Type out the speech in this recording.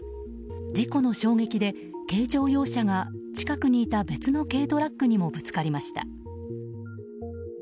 事故の衝撃で軽乗用車が近くにいた別の軽トラックにもぶつかりました。